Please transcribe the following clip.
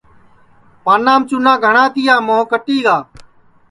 پانام چُونا گھٹؔا یا موھ کٹی گا